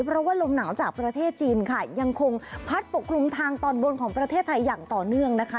เพราะว่าลมหนาวจากประเทศจีนค่ะยังคงพัดปกคลุมทางตอนบนของประเทศไทยอย่างต่อเนื่องนะคะ